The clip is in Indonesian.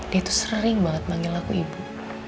dia tuh sering banget manggil aku ibu